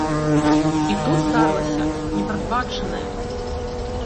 І тут здарылася непрадбачанае.